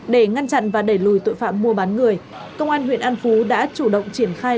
để ngăn chặn và đẩy lùi tội phạm mua bán người công an huyện an phú đã chủ động triển khai